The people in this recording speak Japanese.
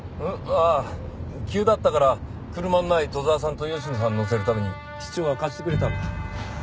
ああ急だったから車のない砥沢さんと吉野さん乗せるために室長が貸してくれたんだ。